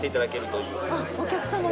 あっお客様が。